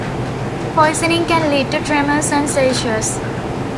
Poisoning can lead to tremors and seizures.